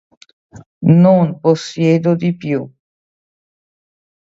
Non possiedo di più